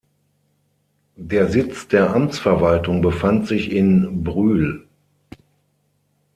Der Sitz der Amtsverwaltung befand sich in Brüel.